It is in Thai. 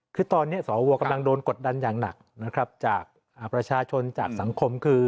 คือตอนนี้สวกำลังโดนกดดันอย่างหนักนะครับจากประชาชนจากสังคมคือ